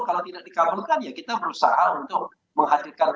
kalau tidak dikabulkan ya kita berusaha untuk menghadirkan